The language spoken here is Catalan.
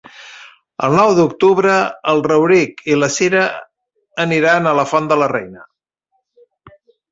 El nou d'octubre en Rauric i na Cira iran a la Font de la Reina.